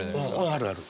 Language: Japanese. あるある。